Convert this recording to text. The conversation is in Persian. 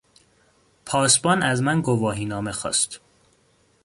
پاسبان از من گواهینامه خواست.